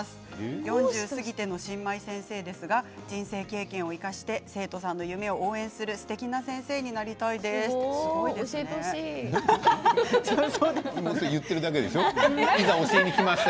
４０過ぎての新米先生ですが人生経験を生かして生徒さんの夢を応援するすごい、教えてほしい。